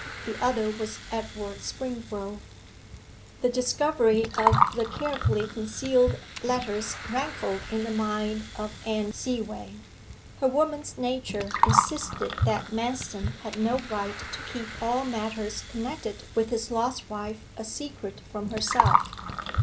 The other was Edward Springrove. The discovery of the carefully concealed letters rankled in the mind of Anne Seaway. Her woman's nature insisted that Manston had no right to keep all matters connected with his lost wife a secret from herself.